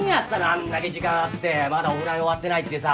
あんだけ時間あってまだオフライン終わってないってさ。